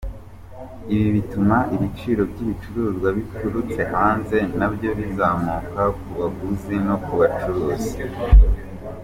Ibi bituma ibiciro by’ibicuruzwa biturutse hanze nabyo bizamuka ku baguzi no ku bacuruzi.